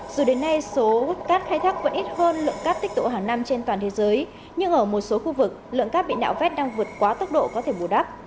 dù đến nay số hút cát khai thác vẫn ít hơn lượng cát tích tụ hàng năm trên toàn thế giới nhưng ở một số khu vực lượng cát bị nạo vét đang vượt quá tốc độ có thể bù đắp